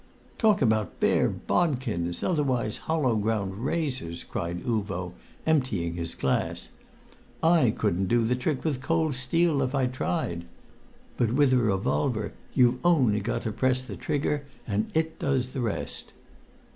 "Talk about bare bodkins, otherwise hollow ground razors!" cried Uvo, emptying his glass. "I couldn't do the trick with cold steel if I tried; but with a revolver you've only got to press the trigger and it does the rest.